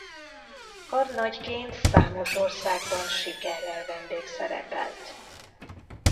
Karnagyként számos országban sikerrel vendégszerepelt.